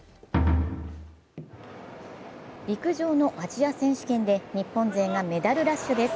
陸上のアジア選手権で日本勢がメダルラッシュです。